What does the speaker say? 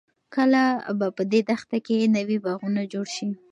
کله به په دې دښته کې نوې باغونه جوړ شي؟